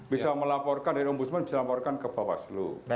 bisa melaporkan dari ombudsman bisa melaporkan ke bapak selu